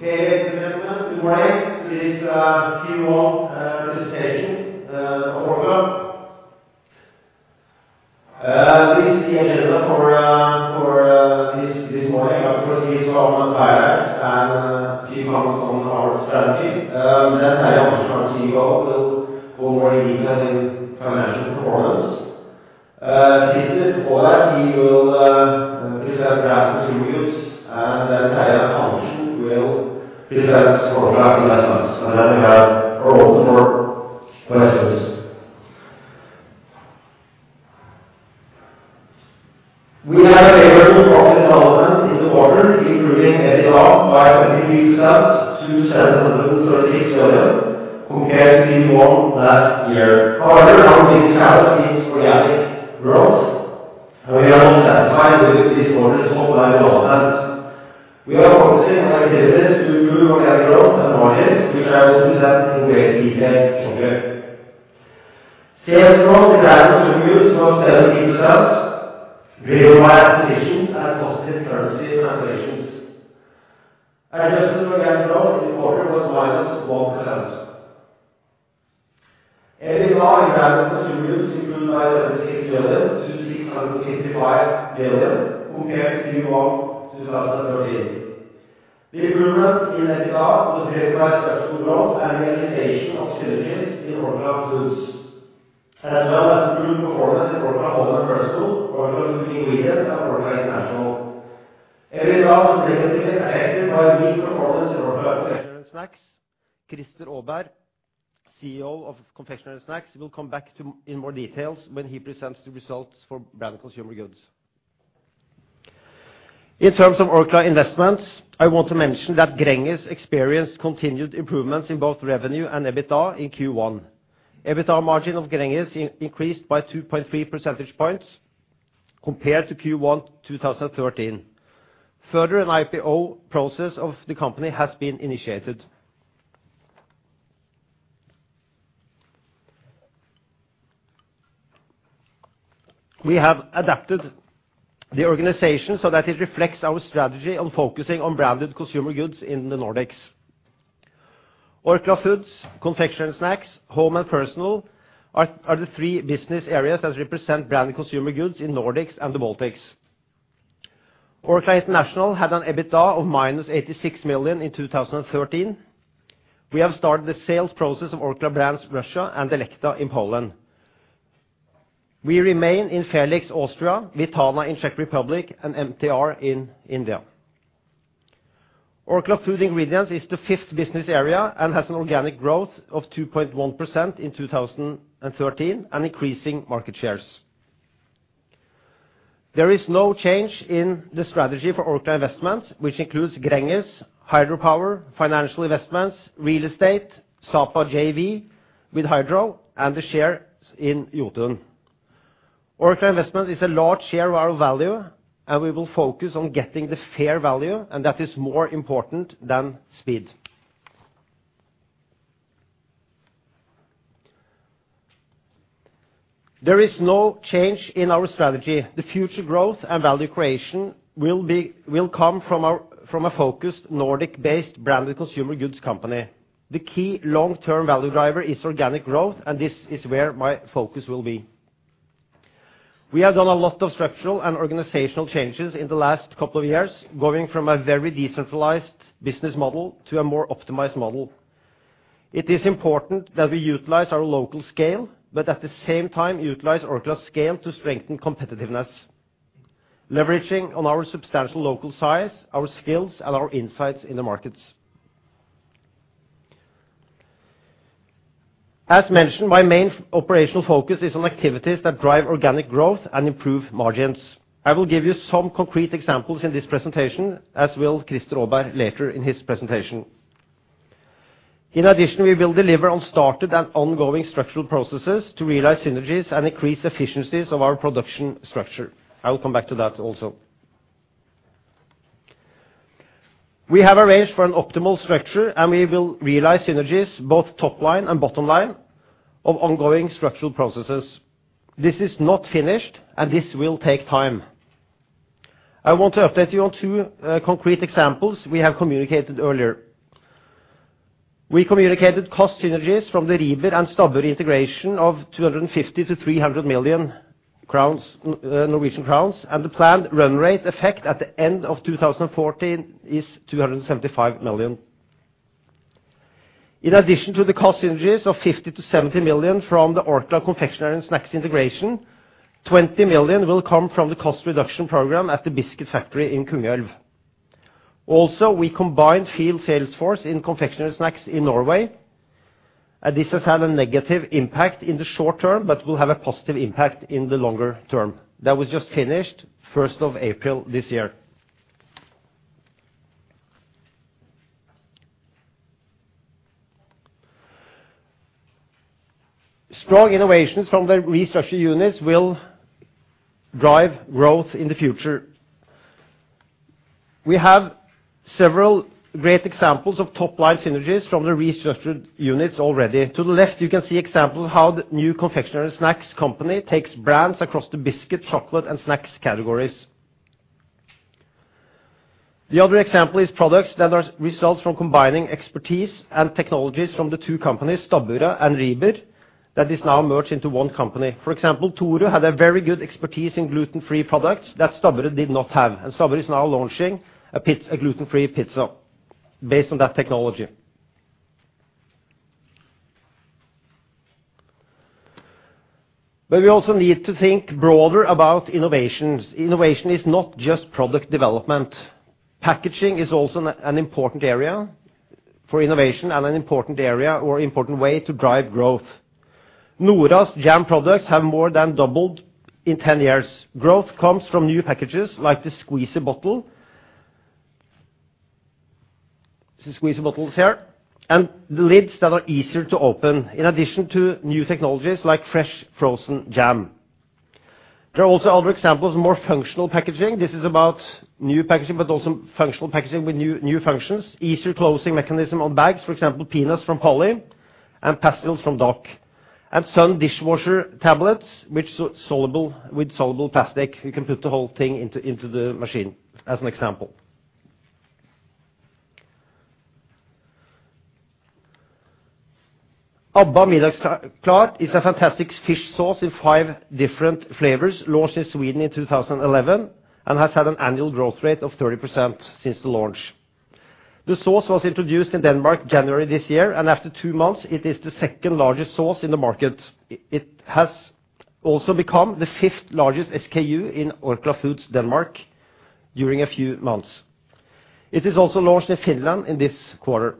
Okay, ladies and gentlemen, good morning. Please, a few more EBITDA was negatively affected by weak performance in Orkla Confectionery & Snacks. Christer Åberg, CEO of Orkla Confectionery & Snacks, will come back in more details when he presents the results for Branded Consumer Goods. In terms of Orkla Investments, I want to mention that Gränges experienced continued improvements in both revenue and EBITDA in Q1. EBITDA margin of Gränges increased by 2.3 percentage points compared to Q1 2013. An IPO process of the company has been initiated. We have adapted the organization so that it reflects our strategy on focusing on Branded Consumer Goods in the Nordics. Orkla Foods, Confectionery & Snacks, Home & Personal are the three business areas that represent Branded Consumer Goods in Nordics and the Baltics. Orkla International had an EBITDA of -86 million in 2013. We have started the sales process of Orkla Brands Russia and Delecta in Poland. We remain in Felix Austria, Vitana in Czech Republic, and MTR in India. Orkla Food Ingredients is the fifth business area and has an organic growth of 2.1% in 2013 and increasing market shares. There is no change in the strategy for Orkla Investments, which includes Gränges, Hydropower, financial investments, real estate, Sapa JV with Hydro, and the shares in Jotun. Orkla Investments is a large share of our value. We will focus on getting the fair value, that is more important than speed. There is no change in our strategy. The future growth and value creation will come from a focused Nordic-based Branded Consumer Goods company. The key long-term value driver is organic growth. This is where my focus will be. We have done a lot of structural and organizational changes in the last couple of years, going from a very decentralized business model to a more optimized model. It is important that we utilize our local scale, at the same time utilize Orkla's scale to strengthen competitiveness, leveraging on our substantial local size, our skills, and our insights in the markets. As mentioned, my main operational focus is on activities that drive organic growth and improve margins. I will give you some concrete examples in this presentation, as will Christer Åberg later in his presentation. We will deliver on started and ongoing structural processes to realize synergies and increase efficiencies of our production structure. I will come back to that also. We have arranged for an optimal structure, and we will realize synergies, both top line and bottom line, of ongoing structural processes. This is not finished, and this will take time. I want to update you on two concrete examples we have communicated earlier. We communicated cost synergies from the Rieber and Stabburet integration of 250 million-300 million crowns, and the planned run rate effect at the end of 2014 is 275 million. In addition to the cost synergies of 50 million-70 million from the Orkla Confectionery & Snacks integration, 20 million will come from the cost reduction program at the biscuit factory in Kongsvinger. We combined field sales force in Confectionery & Snacks in Norway, and this has had a negative impact in the short term but will have a positive impact in the longer term. That was just finished 1st of April this year. Strong innovations from the restructured units will drive growth in the future. We have several great examples of top-line synergies from the restructured units already. To the left, you can see examples of how the new Orkla Confectionery & Snacks company takes brands across the biscuit, chocolate, and snacks categories. The other example is products that are results from combining expertise and technologies from the two companies, Stabburet and Rieber, that is now merged into one company. For example, Toro had a very good expertise in gluten-free products that Stabburet did not have, and Stabburet is now launching a gluten-free pizza based on that technology. We also need to think broader about innovations. Innovation is not just product development. Packaging is also an important area for innovation and an important area or important way to drive growth. Nora's jam products have more than doubled in 10 years. Growth comes from new packages like the squeezy bottle. The squeezy bottle is here, and the lids that are easier to open, in addition to new technologies like fresh frozen jam. There are also other examples of more functional packaging. This is about new packaging, but also functional packaging with new functions, easier closing mechanism on bags, for example, peanuts from Polly and pastilles from Doc'. Sun dishwasher tablets with soluble plastic. You can put the whole thing into the machine, as an example. Abba Middagsklart is a fantastic fish sauce in five different flavors launched in Sweden in 2011 and has had an annual growth rate of 30% since the launch. The sauce was introduced in Denmark January this year, and after two months it is the second-largest sauce in the market. It has also become the fifth-largest SKU in Orkla Foods Danmark during a few months. It is also launched in Finland in this quarter.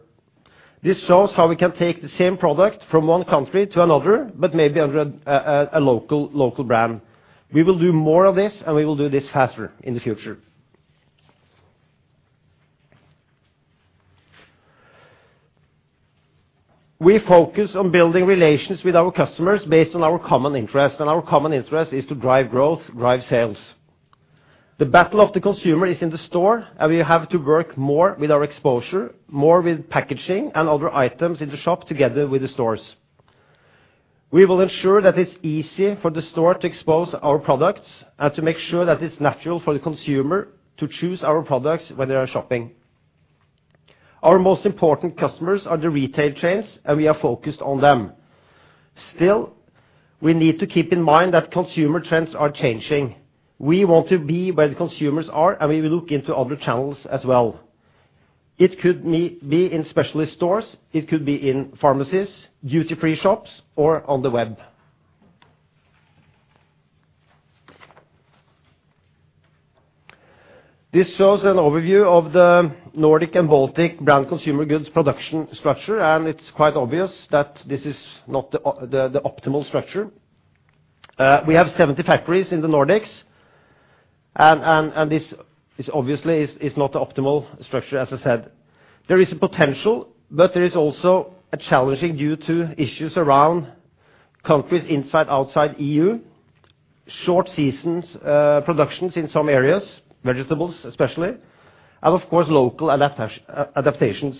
This shows how we can take the same product from one country to another, but maybe under a local brand. We will do more of this, and we will do this faster in the future. We focus on building relations with our customers based on our common interest, and our common interest is to drive growth, drive sales. The battle of the consumer is in the store, and we have to work more with our exposure, more with packaging, and other items in the shop together with the stores. We will ensure that it's easy for the store to expose our products and to make sure that it's natural for the consumer to choose our products when they are shopping. Our most important customers are the retail chains, and we are focused on them. Still, we need to keep in mind that consumer trends are changing. We want to be where the consumers are, and we will look into other channels as well. It could be in specialist stores, it could be in pharmacies, duty-free shops, or on the web. This shows an overview of the Nordic and Baltic Branded Consumer Goods production structure, and it's quite obvious that this is not the optimal structure. We have 70 factories in the Nordics, and this obviously is not the optimal structure, as I said. There is a potential, but there is also a challenging due to issues around countries inside, outside the EU, short seasons, productions in some areas, vegetables especially, and of course, local adaptations.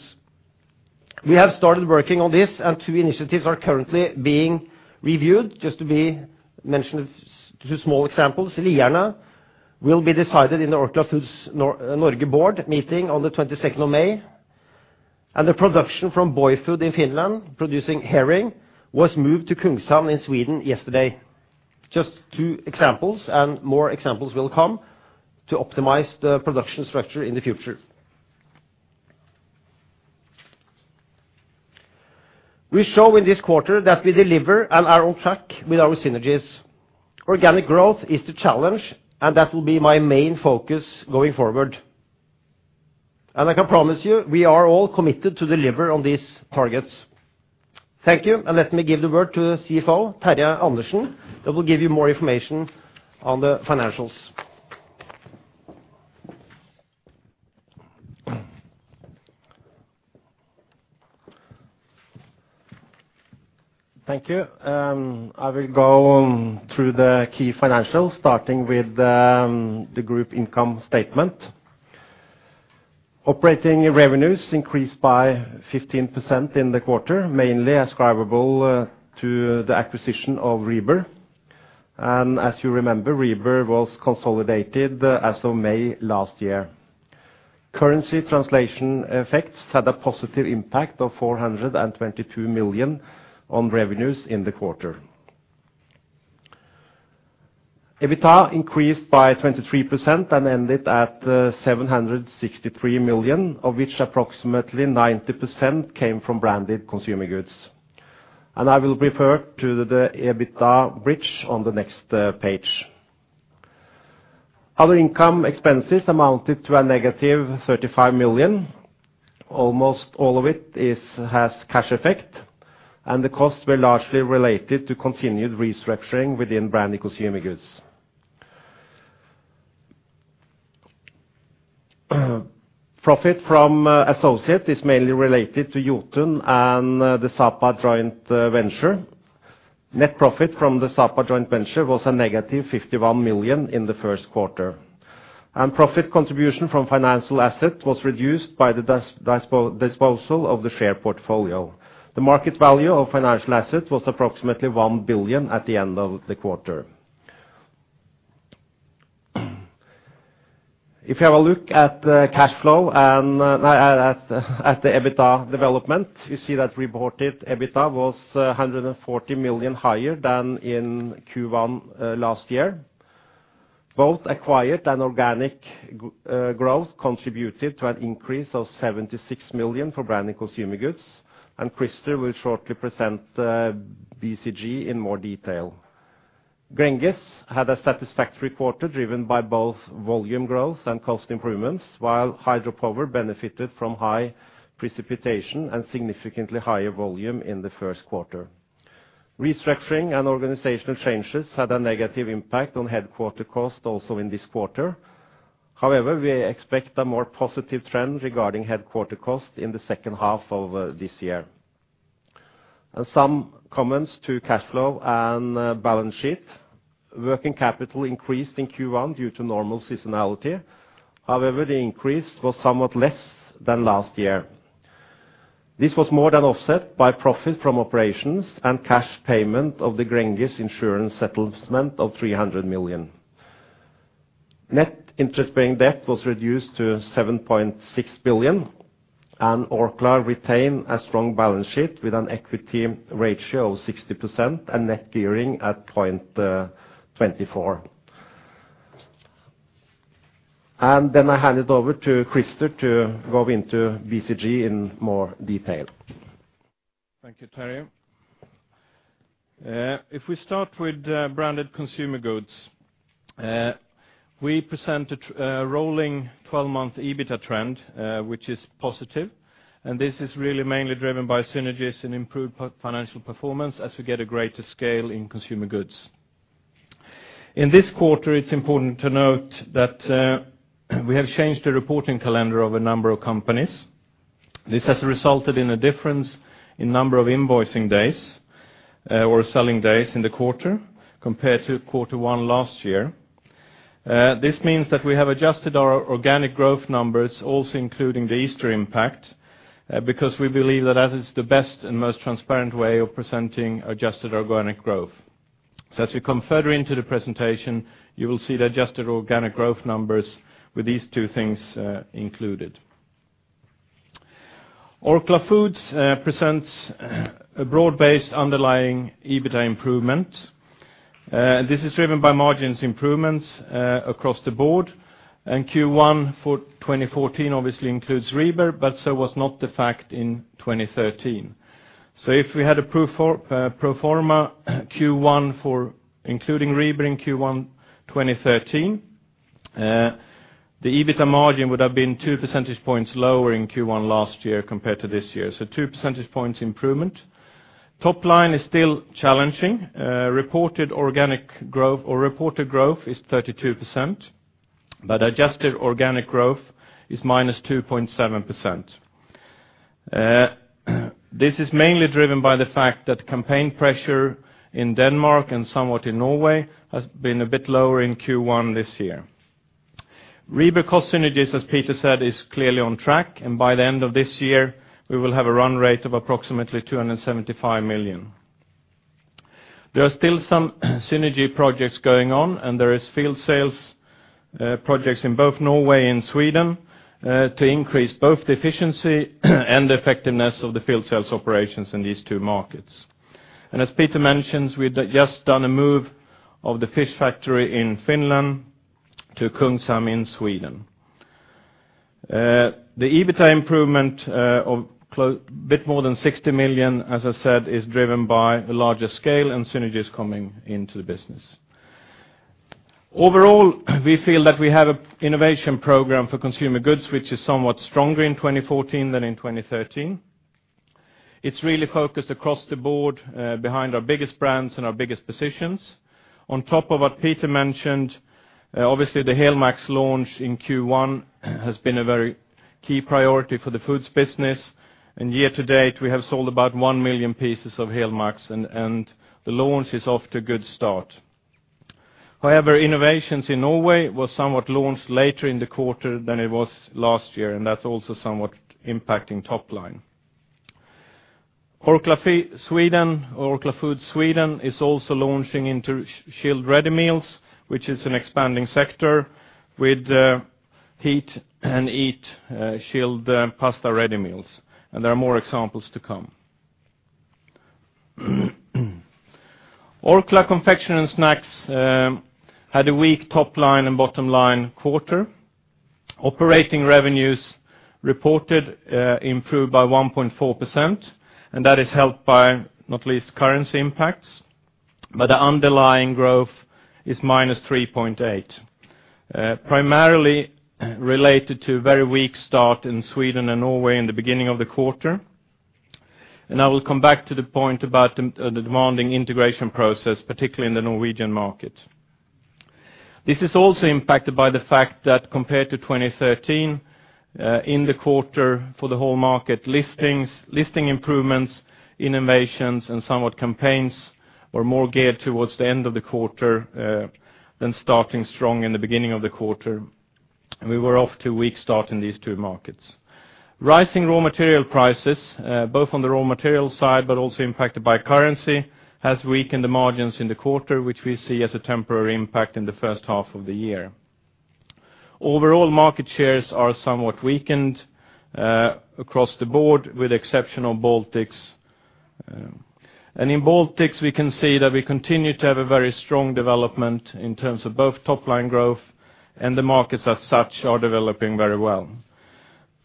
We have started working on this, and two initiatives are currently being reviewed. Just to be mentioned, two small examples. Lierne will be decided in the Orkla Foods Norge board meeting on the 22nd of May, and the production from Boyfood in Finland producing herring was moved to Kungshamn in Sweden yesterday. Just two examples, and more examples will come to optimize the production structure in the future. We show in this quarter that we deliver and are on track with our synergies. Organic growth is the challenge, and that will be my main focus going forward. I can promise you, we are all committed to deliver on these targets. Thank you, and let me give the word to the CFO, Terje Andersen, that will give you more information on the financials. Thank you. I will go through the key financials, starting with the group income statement. Operating revenues increased by 15% in the quarter, mainly ascribable to the acquisition of Rieber. As you remember, Rieber was consolidated as of May last year. Currency translation effects had a positive impact of 422 million on revenues in the quarter. EBITDA increased by 23% and ended at 763 million, of which approximately 90% came from Branded Consumer Goods. I will refer to the EBITDA bridge on the next page. Other income expenses amounted to a negative 35 million. Almost all of it has cash effect, and the costs were largely related to continued restructuring within Branded Consumer Goods. Profit from associate is mainly related to Jotun and the Sapa joint venture. Net profit from the Sapa joint venture was a negative 51 million in the first quarter. Profit contribution from financial assets was reduced by the disposal of the share portfolio. The market value of financial assets was approximately 1 billion at the end of the quarter. If you have a look at the EBITDA development, you see that reported EBITDA was 140 million higher than in Q1 last year. Both acquired and organic growth contributed to an increase of 76 million for Branded Consumer Goods. Christer will shortly present the BCG in more detail. Gränges had a satisfactory quarter, driven by both volume growth and cost improvements, while hydropower benefited from high precipitation and significantly higher volume in the first quarter. Restructuring and organizational changes had a negative impact on headquarter cost also in this quarter. However, we expect a more positive trend regarding headquarter cost in the second half of this year. Some comments to cash flow and balance sheet. Working capital increased in Q1 due to normal seasonality. However, the increase was somewhat less than last year. This was more than offset by profit from operations and cash payment of the Gränges insurance settlement of 300 million. Net interest-paying debt was reduced to 7.6 billion, and Orkla retained a strong balance sheet with an equity ratio of 60% and net gearing at 0.24. I hand it over to Christer to go into BCG in more detail. Thank you, Terje. If we start with Branded Consumer Goods, we present a rolling 12-month EBITDA trend, which is positive. This is really mainly driven by synergies and improved financial performance as we get a greater scale in consumer goods. In this quarter, it is important to note that we have changed the reporting calendar of a number of companies. This has resulted in a difference in number of invoicing days or selling days in the quarter compared to Q1 last year. This means that we have adjusted our organic growth numbers also including the Easter impact, because we believe that is the best and most transparent way of presenting adjusted organic growth. As we come further into the presentation, you will see the adjusted organic growth numbers with these two things included. Orkla Foods presents a broad-based underlying EBITDA improvement. This is driven by margins improvements across the board. Q1 for 2014 obviously includes Rieber, but that was not the fact in 2013. If we had a pro forma Q1 including Rieber in Q1 2013, the EBITDA margin would have been two percentage points lower in Q1 last year compared to this year. Two percentage points improvement. Top line is still challenging. Reported growth is 32%, but adjusted organic growth is -2.7%. This is mainly driven by the fact that campaign pressure in Denmark and somewhat in Norway has been a bit lower in Q1 this year. Rieber cost synergies, as Peter said, is clearly on track, and by the end of this year, we will have a run rate of approximately 275 million. There are still some synergy projects going on, and there are field sales projects in both Norway and Sweden to increase both the efficiency and effectiveness of the field sales operations in these two markets. As Peter mentioned, we have just done a move of the fish factory in Finland to Kungshamn in Sweden. The EBITDA improvement of a bit more than 60 million, as I said, is driven by a larger scale and synergies coming into the business. Overall, we feel that we have an innovation program for consumer goods, which is somewhat stronger in 2014 than in 2013. It is really focused across the board behind our biggest brands and our biggest positions. On top of what Peter mentioned, obviously, the Heia Max launch in Q1 has been a very key priority for the foods business. Year to date, we have sold about 1 million pieces of Heia Max, and the launch is off to a good start. However, innovations in Norway was somewhat launched later in the quarter than it was last year, and that's also somewhat impacting top line. Orkla Foods Sweden is also launching into chilled ready meals, which is an expanding sector with heat and eat chilled pasta ready meals. There are more examples to come. Orkla Confectionery & Snacks had a weak top line and bottom line quarter. Operating revenues reported improved by 1.4%, and that is helped by not least currency impacts, but the underlying growth is -3.8%, primarily related to a very weak start in Sweden and Norway in the beginning of the quarter. I will come back to the point about the demanding integration process, particularly in the Norwegian market. This is also impacted by the fact that compared to 2013, in the quarter for the whole market, listing improvements, innovations, and somewhat campaigns were more geared towards the end of the quarter than starting strong in the beginning of the quarter. We were off to weak start in these two markets. Rising raw material prices, both on the raw material side but also impacted by currency, has weakened the margins in the quarter, which we see as a temporary impact in the first half of the year. Overall market shares are somewhat weakened across the board, with exception of Baltics. In Baltics, we can see that we continue to have a very strong development in terms of both top-line growth and the markets as such are developing very well.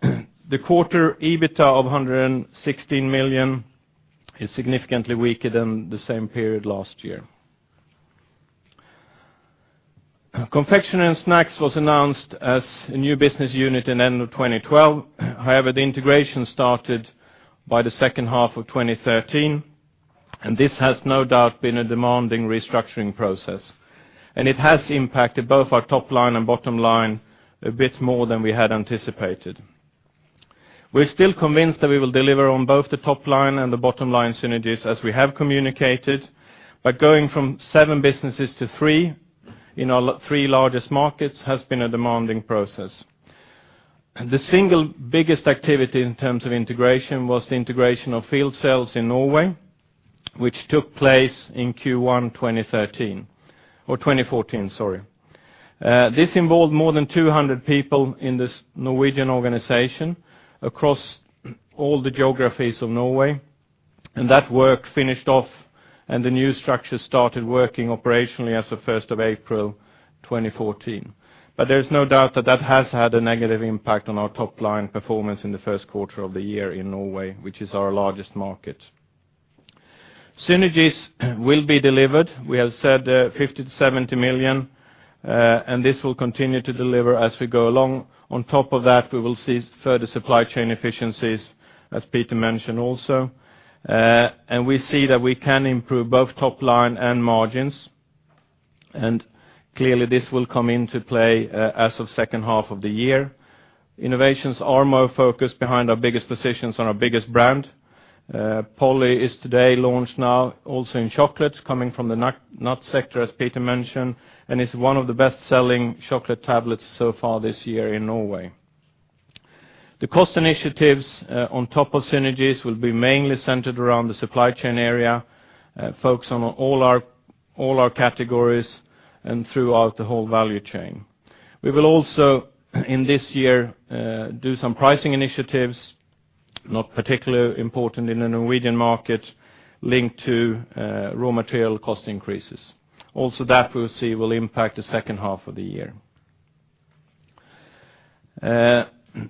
The quarter EBITA of 116 million is significantly weaker than the same period last year. Confectionery & Snacks was announced as a new business unit in end of 2012. However, the integration started by the second half of 2013, and this has no doubt been a demanding restructuring process. It has impacted both our top line and bottom line a bit more than we had anticipated. We're still convinced that we will deliver on both the top line and the bottom line synergies as we have communicated. But going from seven businesses to three in our three largest markets has been a demanding process. The single biggest activity in terms of integration was the integration of field sales in Norway, which took place in Q1 2014. This involved more than 200 people in this Norwegian organization across all the geographies of Norway, and that work finished off, and the new structure started working operationally as of 1st of April 2014. There's no doubt that that has had a negative impact on our top-line performance in the first quarter of the year in Norway, which is our largest market. Synergies will be delivered. We have said 50 million to 70 million, and this will continue to deliver as we go along. On top of that, we will see further supply chain efficiencies, as Peter mentioned also. We see that we can improve both top line and margins. Clearly, this will come into play as of second half of the year. Innovations are more focused behind our biggest positions on our biggest brand. Polly is today launched now also in chocolates, coming from the nut sector, as Peter mentioned, and is one of the best-selling chocolate tablets so far this year in Norway. The cost initiatives on top of synergies will be mainly centered around the supply chain area, focused on all our categories and throughout the whole value chain. We will also, in this year, do some pricing initiatives, not particularly important in the Norwegian market, linked to raw material cost increases. Also that we will see will impact the second half of the year.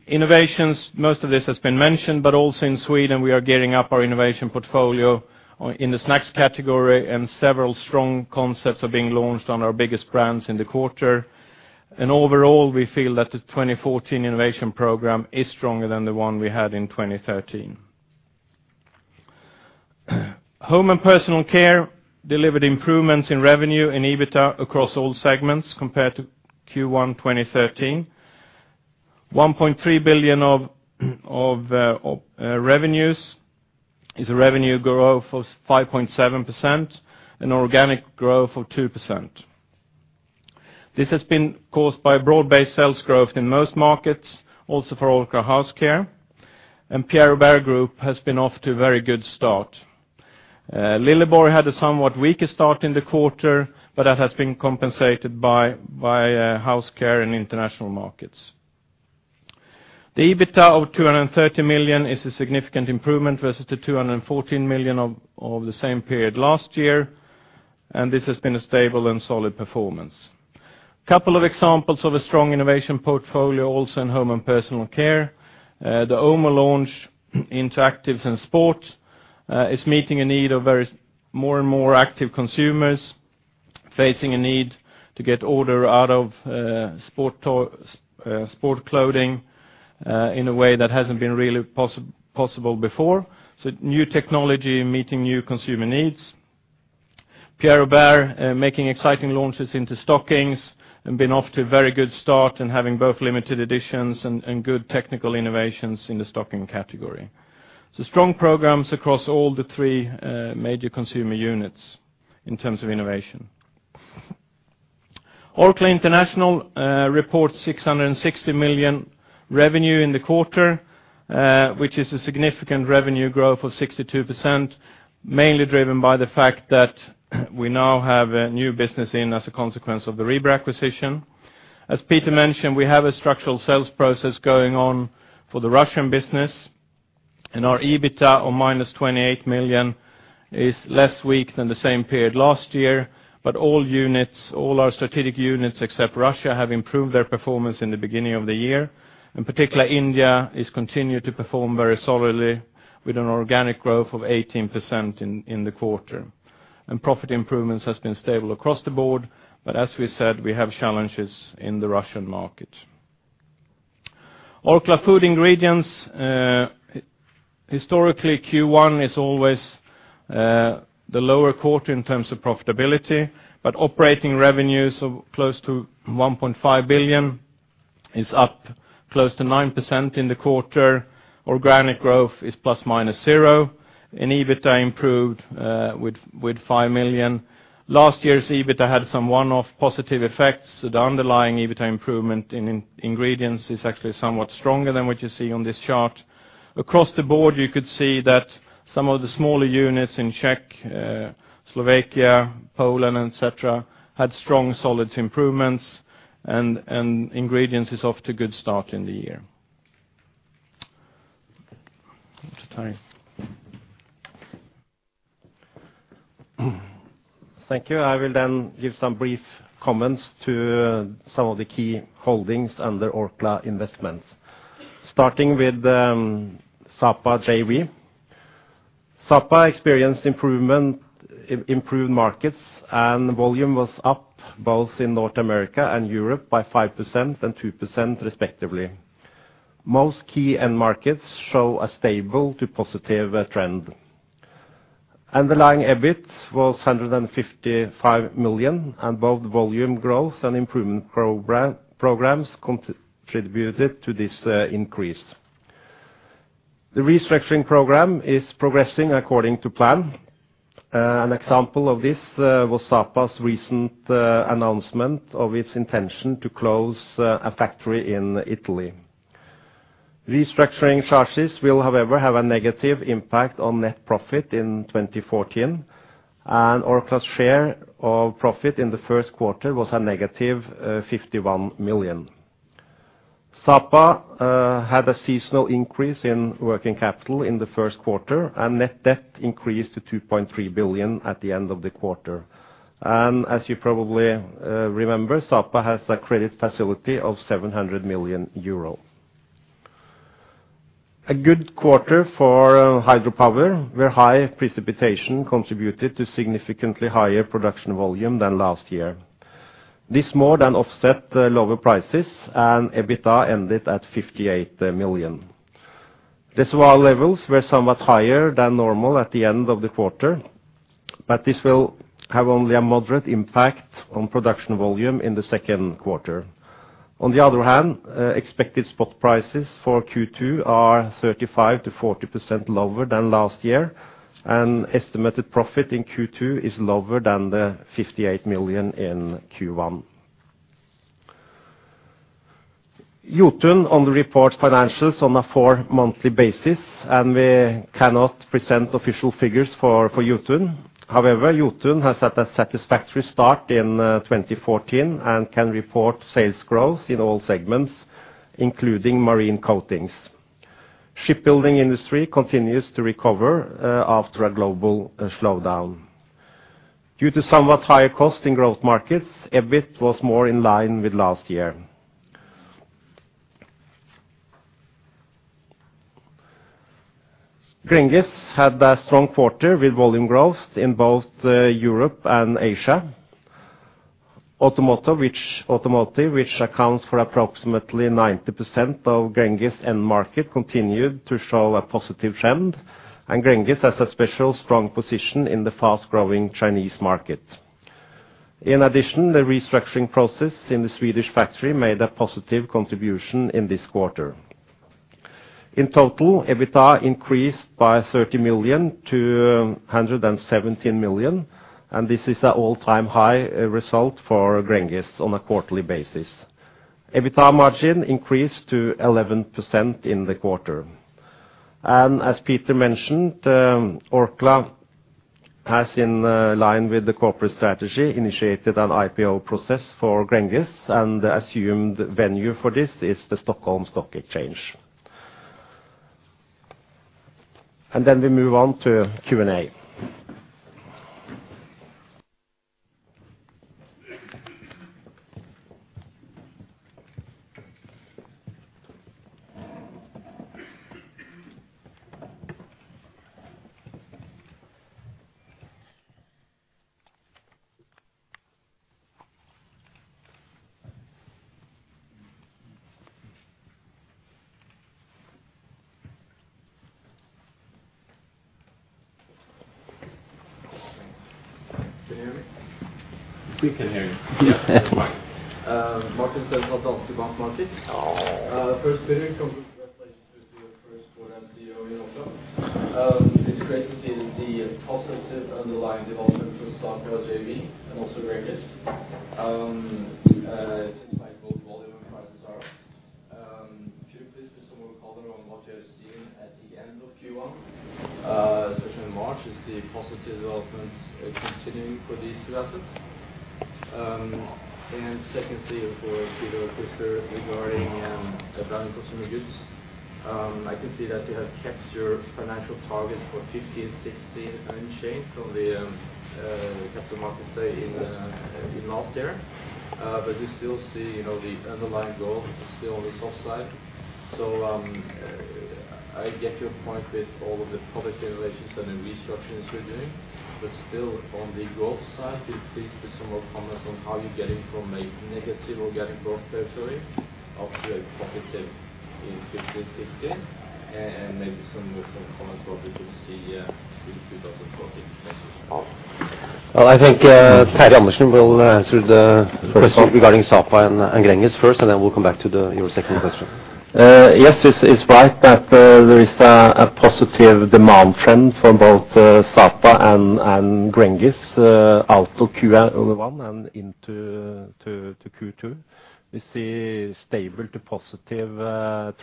Innovations, most of this has been mentioned, but also in Sweden, we are gearing up our innovation portfolio in the snacks category, and several strong concepts are being launched on our biggest brands in the quarter. Overall, we feel that the 2014 innovation program is stronger than the one we had in 2013. Home and Personal Care delivered improvements in revenue and EBITA across all segments compared to Q1 2013. 1.3 billion of revenues is a revenue growth of 5.7% and organic growth of 2%. This has been caused by broad-based sales growth in most markets, also for Orkla House Care, Pierre Robert Group has been off to a very good start. Lilleborg had a somewhat weaker start in the quarter, but that has been compensated by House Care in international markets. The EBITA of 230 million is a significant improvement versus the 214 million of the same period last year. This has been a stable and solid performance. Couple of examples of a strong innovation portfolio also in Home and Personal Omo. The Omy launch into actives and sports is meeting a need of more and more active consumers facing a need to get odor out of sport clothing in a way that hasn't been really possible before. New technology meeting new consumer needs. Pierre Robert making exciting launches into stockings and been off to a very good start and having both limited editions and good technical innovations in the stocking category. Strong programs across all the three major consumer units in terms of innovation. Orkla International reports 660 million revenue in the quarter, which is a significant revenue growth of 62%, mainly driven by the fact that we now have a new business in as a consequence of the Rieber acquisition. As Peter mentioned, we have a structural sales process going on for the Russian business. Our EBITA of minus 28 million is less weak than the same period last year. All our strategic units except Russia have improved their performance in the beginning of the year. In particular, India is continued to perform very solidly with an organic growth of 18% in the quarter. Profit improvements has been stable across the board. As we said, we have challenges in the Russian market. Orkla Food Ingredients, historically, Q1 is always the lower quarter in terms of profitability, but operating revenues of close to 1.5 billion is up close to 9% in the quarter. Organic growth is plus minus zero. EBITDA improved with 5 million. Last year's EBITDA had some one-off positive effects. The underlying EBITDA improvement in ingredients is actually somewhat stronger than what you see on this chart. Across the board, you could see that some of the smaller units in Czech, Slovakia, Poland, et cetera, had strong solids improvements. Ingredients is off to a good start in the year. To Terje. Thank you. I will give some brief comments to some of the key holdings under Orkla Investments. Starting with the Sapa JV. Sapa experienced improved markets, volume was up both in North America and Europe by 5% and 2% respectively. Most key end markets show a stable to positive trend. Underlying EBIT was 155 million, both volume growth and improvement programs contributed to this increase. The restructuring program is progressing according to plan. An example of this was Sapa's recent announcement of its intention to close a factory in Italy. Restructuring charges will, however, have a negative impact on net profit in 2014, Orkla's share of profit in the first quarter was a negative 51 million. Sapa had a seasonal increase in working capital in the first quarter, net debt increased to 2.3 billion at the end of the quarter. As you probably remember, Sapa has a credit facility of 700 million euro. A good quarter for hydropower, where high precipitation contributed to significantly higher production volume than last year. This more than offset the lower prices, EBITDA ended at 58 million. Reservoir levels were somewhat higher than normal at the end of the quarter, this will have only a moderate impact on production volume in the second quarter. On the other hand, expected spot prices for Q2 are 35%-40% lower than last year, estimated profit in Q2 is lower than the 58 million in Q1. Jotun only reports financials on a four-monthly basis, we cannot present official figures for Jotun. However, Jotun has had a satisfactory start in 2014 and can report sales growth in all segments, including marine coatings. Shipbuilding industry continues to recover after a global slowdown. Due to somewhat higher cost in growth markets, EBIT was more in line with last year. Gränges had a strong quarter with volume growth in both Europe and Asia. Automotive, which accounts for approximately 90% of Gränges end market, continued to show a positive trend, Gränges has a special strong position in the fast-growing Chinese market. In addition, the restructuring process in the Swedish factory made a positive contribution in this quarter. In total, EBITDA increased by 30 million to 117 million, this is an all-time high result for Gränges on a quarterly basis. EBITDA margin increased to 11% in the quarter. As Peter mentioned, Orkla has, in line with the corporate strategy, initiated an IPO process for Gränges, the assumed venue for this is the Stockholm Stock Exchange. I can see that you have kept your financial targets for 2015, 2016 unchanged from the capital markets day in last year. You still see the underlying growth is still on the soft side. I get your point with all of the public relations and the restructurings we are doing, but still on the growth side, could you please put some more comments on how you are getting from a negative organic growth territory up to a positive in 15/16, and maybe some more comments about what you see through 2040? Thanks. I think Terje Andersen will answer the question regarding Sapa and Gränges first, and then we will come back to your second question. Yes, it is right that there is a positive demand trend for both Sapa and Gränges out of Q1 and into Q2. We see stable to positive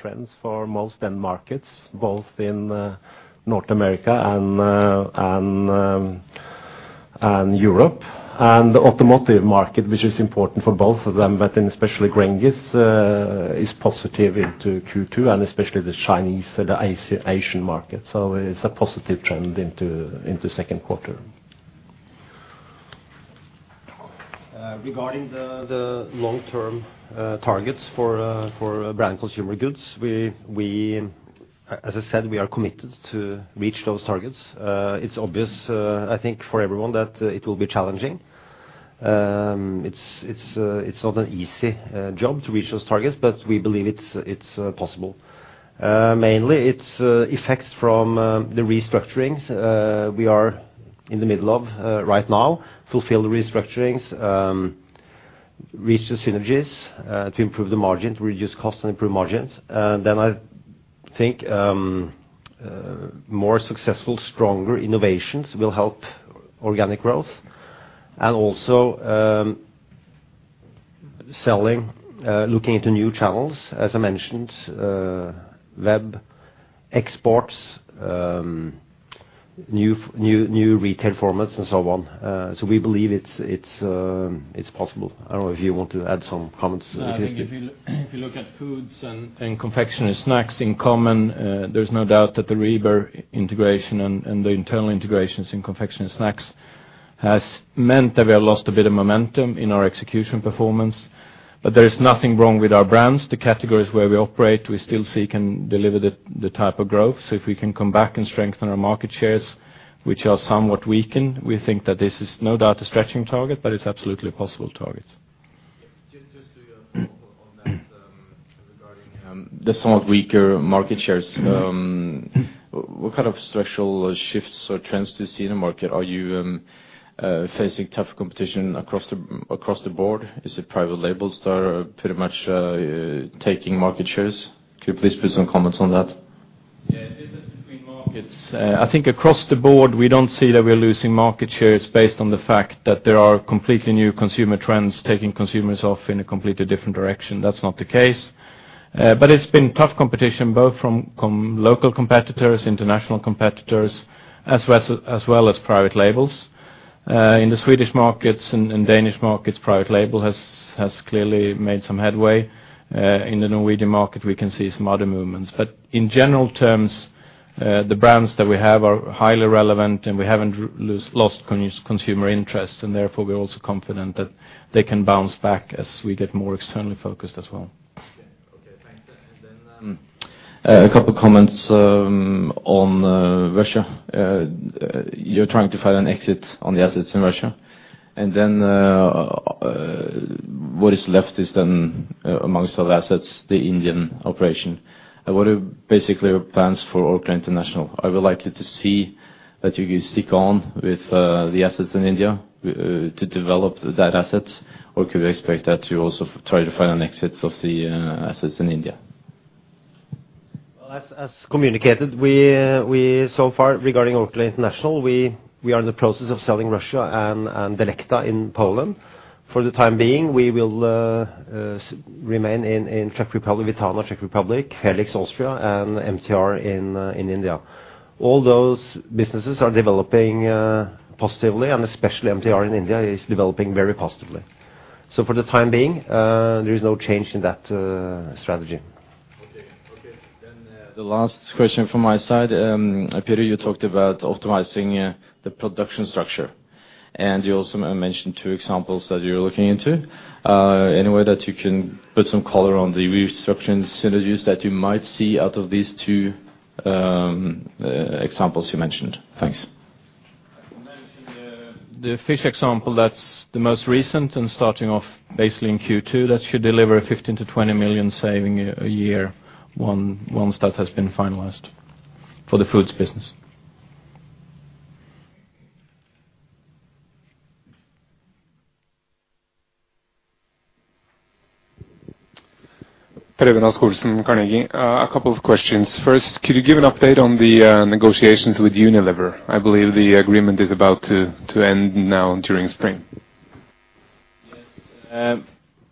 trends for most end markets, both in North America and Europe. The automotive market, which is important for both of them, but in especially Gränges is positive into Q2 and especially the Chinese, the Asian market. It is a positive trend into second quarter. Regarding the long-term targets for Branded Consumer Goods, as I said, we are committed to reach those targets. It is obvious, I think, for everyone that it will be challenging. It is not an easy job to reach those targets, but we believe it is possible. Mainly, it's effects from the restructurings we are in the middle of right now. Fulfill the restructurings, reach the synergies to improve the margins, reduce costs, and improve margins. I think more successful, stronger innovations will help organic growth. Also selling, looking into new channels, as I mentioned, web exports, new retail formats and so on. We believe it's possible. I don't know if you want to add some comments. I think if you look at foods and Confectionery & Snacks in common, there's no doubt that the Rieber integration and the internal integrations in Confectionery & Snacks has meant that we have lost a bit of momentum in our execution performance. There is nothing wrong with our brands. The categories where we operate, we still seek and deliver the type of growth. If we can come back and strengthen our market shares, which are somewhat weakened, we think that this is no doubt a stretching target, it's absolutely a possible target. Just to follow up on that, regarding the somewhat weaker market shares, what kind of structural shifts or trends do you see in the market? Are you facing tough competition across the board? Is it private labels that are pretty much taking market shares? Could you please put some comments on that? Yeah. It differs between markets. I think across the board, we don't see that we're losing market shares based on the fact that there are completely new consumer trends taking consumers off in a completely different direction. That's not the case. It's been tough competition, both from local competitors, international competitors, as well as private labels. In the Swedish markets and Danish markets, private label has clearly made some headway. In the Norwegian market, we can see some other movements. In general terms, the brands that we have are highly relevant, and we haven't lost consumer interest, and therefore, we're also confident that they can bounce back as we get more externally focused as well. Okay, thanks. A couple of comments on Russia. You're trying to find an exit on the assets in Russia. What is left is then amongst other assets, the Indian operation. What are basically your plans for Orkla International? I would like to see that you stick on with the assets in India to develop that asset. Could we expect that you also try to find an exit of the assets in India? Well, as communicated, so far regarding Orkla International, we are in the process of selling Russia and Delecta in Poland. For the time being, we will remain in Czech Republic, Vitana Czech Republic, Felix Austria, and MTR in India. All those businesses are developing positively, and especially MTR in India is developing very positively. For the time being, there is no change in that strategy. Okay. The last question from my side. Peter, you talked about optimizing the production structure. You also mentioned two examples that you're looking into. Any way that you can put some color on the restructurings synergies that you might see out of these two examples you mentioned? Thanks. I mentioned the fish example that's the most recent and starting off basically in Q2. That should deliver a 15 million-20 million saving a year once that has been finalized for the foods business. Preben Rasch-Olsen, Carnegie. A couple of questions. First, could you give an update on the negotiations with Unilever? I believe the agreement is about to end now during spring. Yes.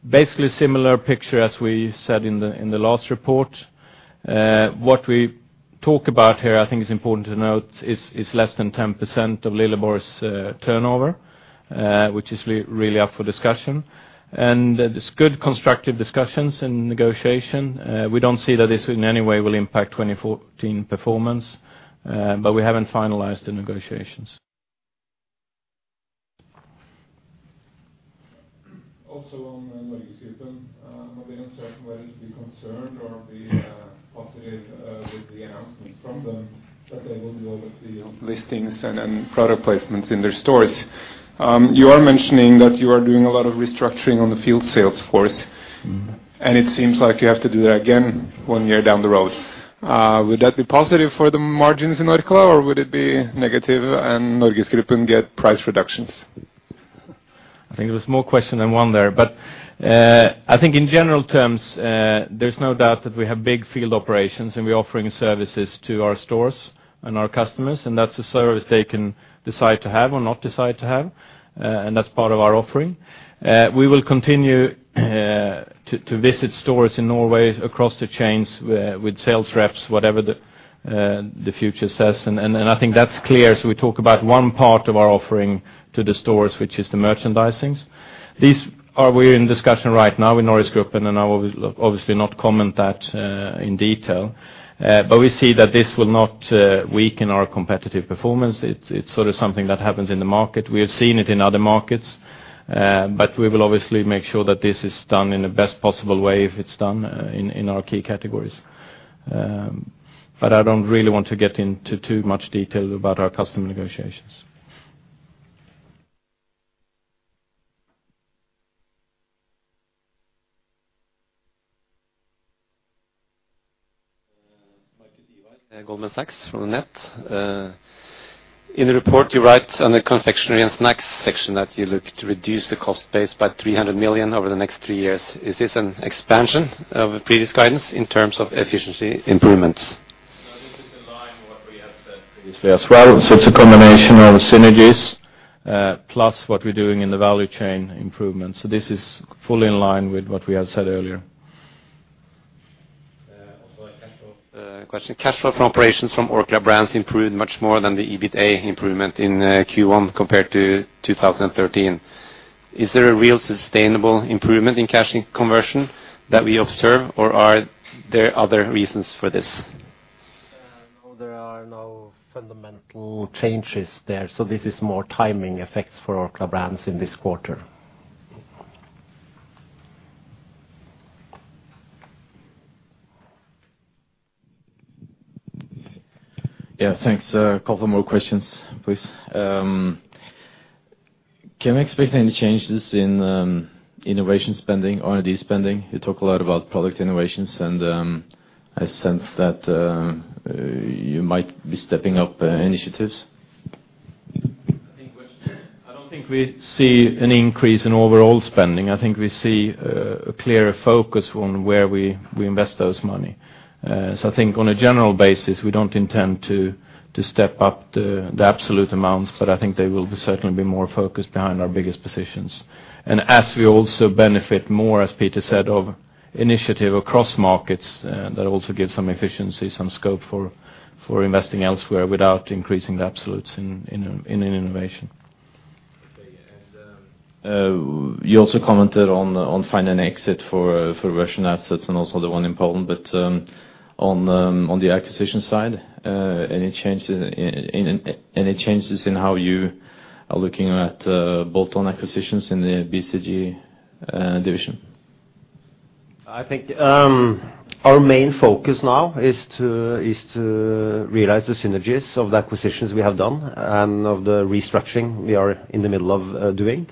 Basically similar picture as we said in the last report. What we talk about here, I think is important to note, is less than 10% of Lilleborg's turnover, which is really up for discussion. There's good constructive discussions in negotiation. We don't see that this in any way will impact 2014 performance, we haven't finalized the negotiations. Also on NorgesGruppen. I've been uncertain whether to be concerned or be positive with the announcements from them, that they will do all of the listings and product placements in their stores. You are mentioning that you are doing a lot of restructuring on the field sales force. It seems like you have to do that again one year down the road. Would that be positive for the margins in Orkla, or would it be negative and NorgesGruppen get price reductions? I think it was more question than one there. I think in general terms, there's no doubt that we have big field operations, and we're offering services to our stores and our customers, and that's a service they can decide to have or not decide to have, and that's part of our offering. We will continue to visit stores in Norway across the chains with sales reps, whatever the future says, and I think that's clear. We talk about one part of our offering to the stores, which is the merchandising. These are we're in discussion right now with NorgesGruppen, and I will obviously not comment that in detail. We see that this will not weaken our competitive performance. It's something that happens in the market. We have seen it in other markets. We will obviously make sure that this is done in the best possible way if it's done in our key categories. I don't really want to get into too much detail about our customer negotiations. Marcus Ivay, Goldman Sachs from Net. In the report you write on the Confectionery & Snacks section that you look to reduce the cost base by 300 million over the next three years. Is this an expansion of the previous guidance in terms of efficiency improvements? No, this is in line with what we had said previously as well. It's a combination of synergies, plus what we're doing in the value chain improvements. This is fully in line with what we had said earlier. A cash flow question. Cash flow from operations from Orkla Brands improved much more than the EBITA improvement in Q1 compared to 2013. Is there a real sustainable improvement in cash conversion that we observe, or are there other reasons for this? No, there are no fundamental changes there. This is more timing effects for Orkla Brands in this quarter. Yeah, thanks. A couple more questions, please. Can we expect any changes in innovation spending, R&D spending? You talk a lot about product innovations, and I sense that you might be stepping up initiatives. I don't think we see an increase in overall spending. I think we see a clearer focus on where we invest that money. I think on a general basis, we don't intend to step up the absolute amounts, but I think they will certainly be more focused behind our biggest positions. As we also benefit more, as Peter said, of initiative across markets, that also gives some efficiency, some scope for investing elsewhere without increasing the absolutes in an innovation. Okay. You also commented on finding an exit for Russian assets and also the one in Poland. On the acquisition side, any changes in how you are looking at bolt-on acquisitions in the BCG division? I think our main focus now is to realize the synergies of the acquisitions we have done and of the restructuring we are in the middle of doing.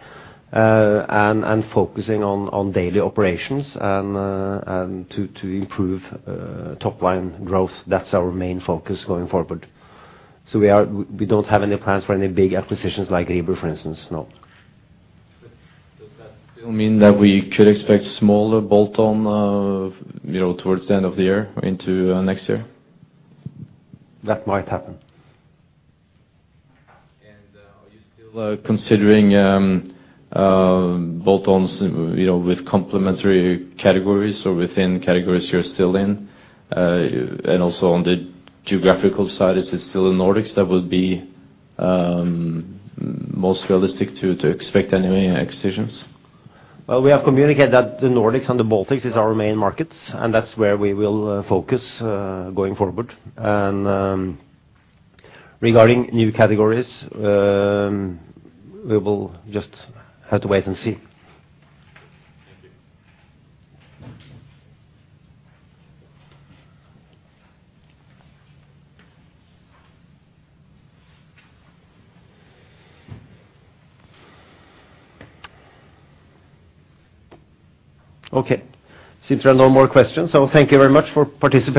Focusing on daily operations and to improve top-line growth. That's our main focus going forward. We don't have any plans for any big acquisitions like Abba, for instance. No. Does that still mean that we could expect smaller bolt-on towards the end of the year into next year? That might happen. Are you still considering bolt-ons with complementary categories or within categories you're still in? Also on the geographical side, is it still the Nordics that would be most realistic to expect any acquisitions? Well, we have communicated that the Nordics and the Baltics is our main markets, and that's where we will focus going forward. Regarding new categories, we will just have to wait and see. Thank you. Okay, seems there are no more questions. Thank you very much for participating.